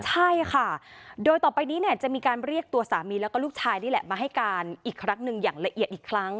ใช่ค่ะโดยต่อไปนี้เนี่ยจะมีการเรียกตัวสามีแล้วก็ลูกชายนี่แหละมาให้การอีกครั้งหนึ่งอย่างละเอียดอีกครั้ง